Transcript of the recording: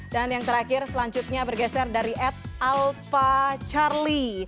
dan yang terakhir selanjutnya bergeser dari ad alpacarly